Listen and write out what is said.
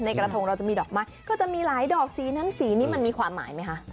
กระทงเราจะมีดอกไม้ก็จะมีหลายดอกสีนั้นสีนี้มันมีความหมายไหมคะ